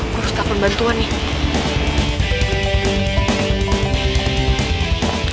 gue harus tahan bantuan nih